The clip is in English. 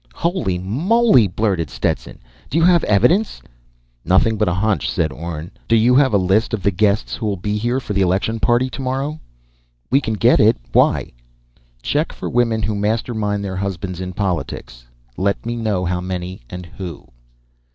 "_ "Holy Moley!" blurted Stetson. "Do you have evidence " "Nothing but a hunch," said Orne. "Do you have a list of the guests who'll be here for the election party tomorrow?" "We can get it. Why?" _"Check for women who mastermind their husbands in politics. Let me know how many and who."